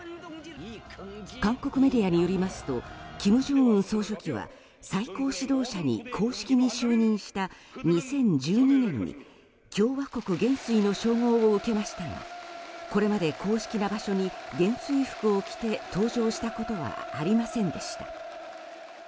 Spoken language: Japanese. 韓国メディアによりますと金正恩総書記は最高指導者に公式に就任した２０１２年に共和国元帥の称号を受けましたがこれまで公式な場所に元帥服を着て登場したことはありませんでした。